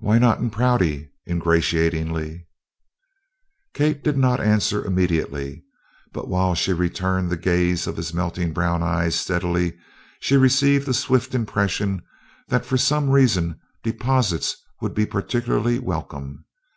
"Why not in Prouty?" ingratiatingly. Kate did not answer immediately, but while she returned the gaze of his melting brown eyes steadily she received a swift impression that for some reason deposits would be particularly welcome.